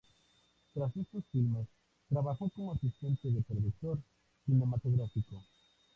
Tras estos filmes, trabajó como asistente de productor cinematográfico.